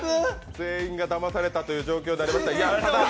全員がだまされたという状況になりました。